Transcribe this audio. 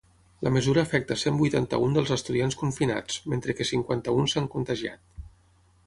La mesura afecta cent vuitanta-un dels estudiants confinats, mentre que cinquanta-un s’han contagiat.